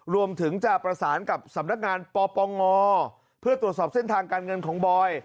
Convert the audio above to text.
รวมถึงจะประสานกับสำนักงานปปงเพื่อตรวจสอบเส้นทางการเงินของบอย